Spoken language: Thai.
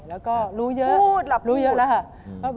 แล้วก็รู้เยอะรู้เยอะแล้วฮะ